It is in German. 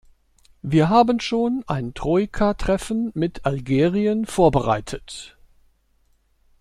Wir haben schon ein Troika-Treffen mit Algerien vorbereitet.